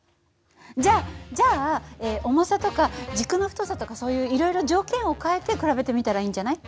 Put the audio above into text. じゃじゃあ重さとか軸の太さとかそういういろいろ条件を変えて比べてみたらいいんじゃない？